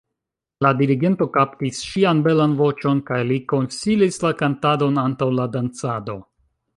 La dirigento kaptis ŝian belan voĉon kaj li konsilis la kantadon antaŭ la dancado.